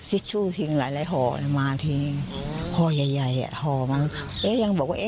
ศรึงที่๒วันสิทธิ์ชู่พามาทิงหอย่ายลวยที